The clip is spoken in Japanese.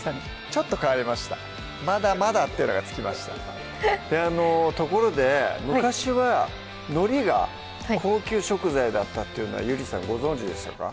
ちょっと変わりました「まだまだ」ってのが付きましたところで昔はのりが高級食材だったっていうのはゆりさんご存じでしたか？